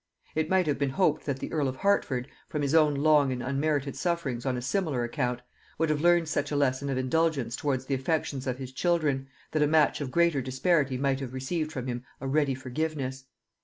It might have been hoped that the earl of Hertford, from his own long and unmerited sufferings on a similar account, would have learned such a lesson of indulgence towards the affections of his children, that a match of greater disparity might have received from him a ready forgiveness.